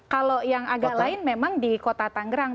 kalau yang agak lain memang di kota tangerang